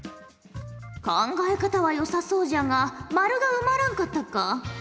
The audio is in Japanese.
考え方はよさそうじゃが○が埋まらんかったか。